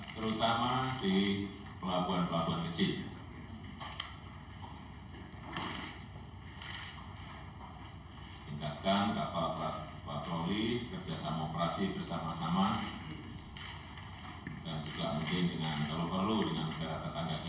terutama di pelabuhan pelabuhan kecil